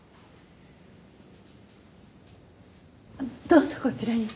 どうぞこちらに。